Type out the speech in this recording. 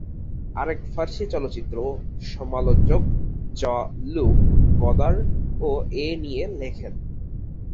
আরেক ফরাসি চলচ্চিত্র সমালোচক জঁ-ল্যুক গদার-ও এ নিয়ে লেখেন।